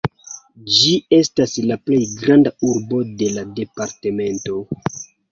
Ĝi estas la plej granda urbo de la departemento.